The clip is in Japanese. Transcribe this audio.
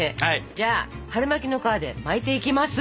じゃあ春巻きの皮で巻いていきます。